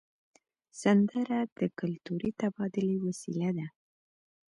سندره د کلتوري تبادلې وسیله ده